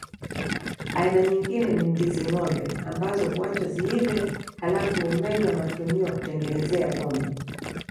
Aina nyingine ni ndizi ngombe ambazo huachwa ziive halafu humenywa na kutumiwa kutengenezea pombe